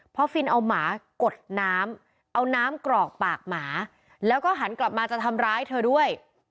พอฟินเอาหมากดน้ำเอาน้ำกรอกปากหมาแล้วก็หันกลับมาจะทำร้ายเธอด้วย